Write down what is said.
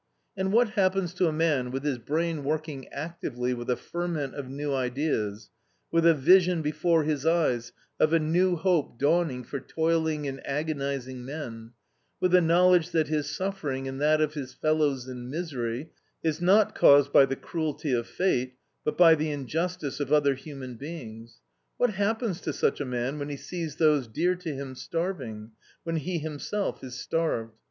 And what happens to a man with his brain working actively with a ferment of new ideas, with a vision before his eyes of a new hope dawning for toiling and agonizing men, with the knowledge that his suffering and that of his fellows in misery is not caused by the cruelty of fate, but by the injustice of other human beings, what happens to such a man when he sees those dear to him starving, when he himself is starved?